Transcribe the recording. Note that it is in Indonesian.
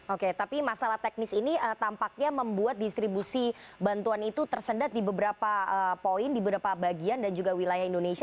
oke tapi masalah teknis ini tampaknya membuat distribusi bantuan itu tersendat di beberapa poin di beberapa bagian dan juga wilayah indonesia